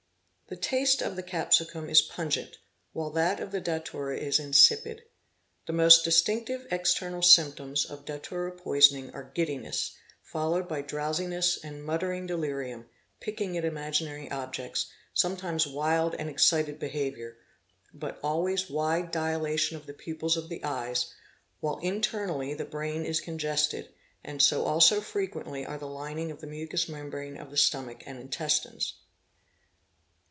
_ The taste of the capsicwm is pungent, while that of the datura is | The most distinctive external symptoms of datura poisoning are Peradiness, followed by drowsiness and muttering delirium, picking at ims ginary objects, sometimes wild and excited behaviour, but always eyes, while internally the brain is 660 POISONING A congested, and so also frequently are the lining of the mucous membrane ' of the stomach and intestines.